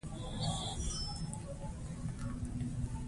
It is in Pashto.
د ادارو اصلاح ثبات راولي